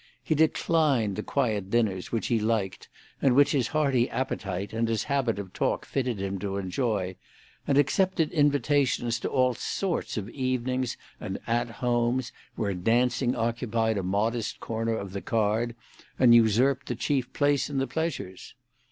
He declined the quiet dinners which he liked, and which his hearty appetite and his habit of talk fitted him to enjoy, and accepted invitations to all sorts of evenings and At Homes, where dancing occupied a modest corner of the card, and usurped the chief place in the pleasures.